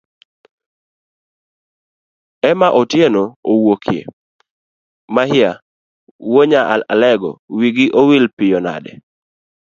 Ema Otieno owuokie, mahia wuonya alegowigi owil piyo nade?